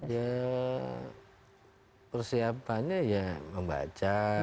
ya persiapannya ya membaca